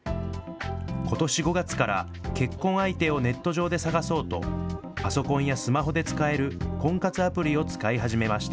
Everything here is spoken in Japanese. ことし５月から結婚相手をネット上で探そうと、パソコンやスマホで使える婚活アプリを使い始めました。